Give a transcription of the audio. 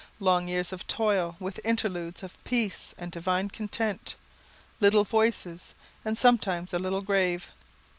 Long years of toil, with interludes of peace and divine content, little voices, and sometimes a little grave.